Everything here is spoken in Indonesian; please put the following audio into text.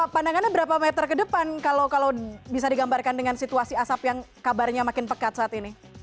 pandangannya berapa meter ke depan kalau bisa digambarkan dengan situasi asap yang kabarnya makin pekat saat ini